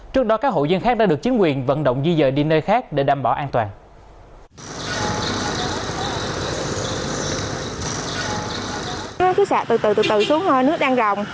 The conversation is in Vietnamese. trước đó các hộ dân khác đã được chính quyền vận động di dời đi nơi khác để đảm bảo an toàn